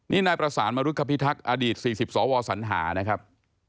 นี่นายประสานมรุคพิทักษ์อดีต๔๐สวสัญหานะครับ